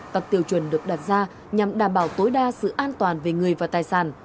các tiêu chuẩn được đặt ra nhằm đảm bảo tối đa sự an toàn về người và tài sản